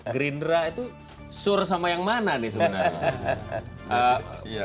gerindra itu sur sama yang mana nih sebenarnya